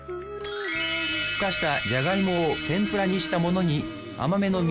ふかしたジャガイモを天ぷらにしたものに甘めの味